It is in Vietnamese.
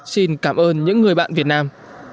xin cảm ơn những người bạn việt nam